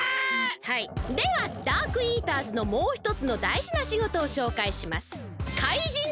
はいではダークイーターズのもうひとつのだいじなしごとをしょうかいします。